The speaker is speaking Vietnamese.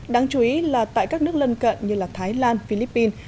đáng chú ý là tại các nước lân cận như thái lan philippines